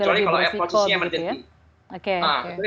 kecuali kalau ya posisinya emerjensi